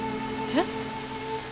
えっ？